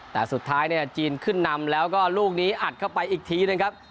แต่สุดท้ายเนี่ยจีนขึ้นนำแล้วก็ลูกนี้อัดเข้าไปอีกทีนะครับ